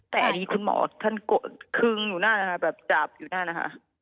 แต่อันนี้คุณหมอท่านคึงอยู่นั่นนะคะแบบจาบอยู่นั่นนะคะ